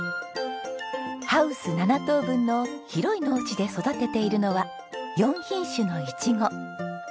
ハウス７棟分の広い農地で育てているのは４品種のイチゴ。